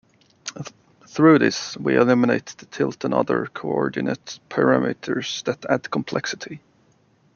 Through this, we eliminate the tilt and other co-ordinate parameters that add complexity.